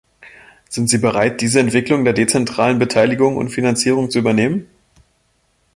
Sind Sie bereit, diese Entwicklung der dezentralen Beteiligung und Finanzierung zu übernehmen?